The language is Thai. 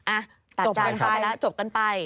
อ่ะตัดจานไปแล้วจบกันไป